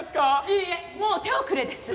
いいえもう手遅れです！